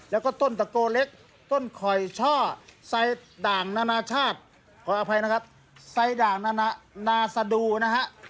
แล้วก็ต้นตะโกเล็กต้นคอยช่อไซด่างนานาชาติขออภัยนะครับไซด่างนาสดูนะฮะ